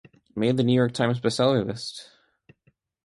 It made the "New York Times" bestseller list.